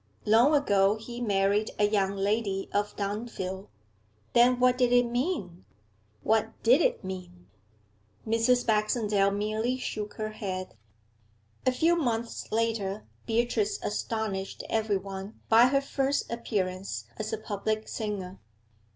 Long ago he married a young lady of Dunfield.' 'Then what did it mean? what did it mean?' Mrs. Baxendale merely shook her head. A few months later, Beatrice astonished everyone by her first appearance as a public singer.